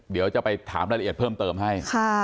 เดี๋ยวจะไปถามรายละเอียดเพิ่มเติมให้